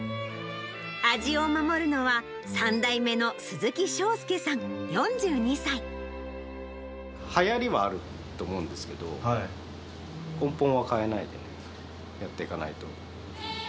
味を守るのは、３代目の鈴木はやりはあると思うんですけど、根本は変えないでやっていかないと。